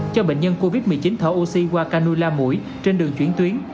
cho bệnh nhân covid một mươi chín thở oxy qua canola mũi trên đường chuyển tuyến